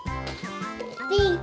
ピンク！